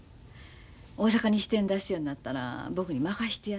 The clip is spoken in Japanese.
「大阪に支店出すようになったら僕に任してや」